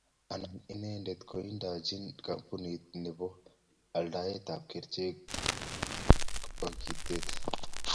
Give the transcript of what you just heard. Anao inendet kokiindochin kampunit nebo aldaetab kerichekab bogitet